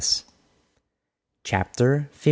CHAPTER XVI.